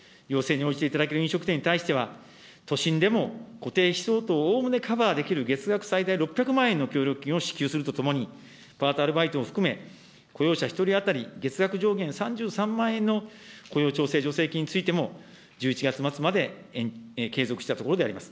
要請に応じていただける飲食店に対しては、都心でも固定費相当をおおむねカバーできる、月額最大６００万円の協力金を支給するとともに、パート・アルバイトも含め、雇用者１人当たり月額上限３３万円の雇用調整助成金についても、１１月末まで継続したところであります。